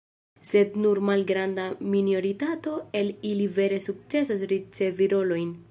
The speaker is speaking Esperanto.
Sed nur malgranda minoritato el ili vere sukcesas ricevi rolojn.